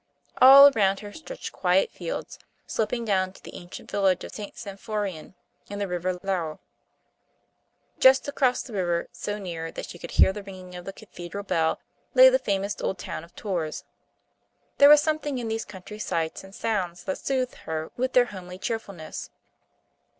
All around her stretched quiet fields, sloping down to the ancient village of St. Symphorien and the river Loire. Just across the river, so near that she could hear the ringing of the cathedral bell, lay the famous old town of Tours. There was something in these country sights and sounds that soothed her with their homely cheerfulness.